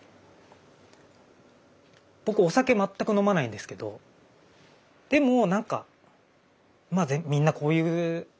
僕お酒全く飲まないんですけどでもなんかみんなこういうことだよなっていう。